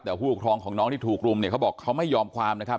แต่ผู้ปกครองของน้องที่ถูกรุมเนี่ยเขาบอกเขาไม่ยอมความนะครับ